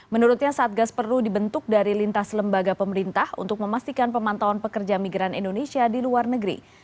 menurutnya satgas perlu dibentuk dari lintas lembaga pemerintah untuk memastikan pemantauan pekerja migran indonesia di luar negeri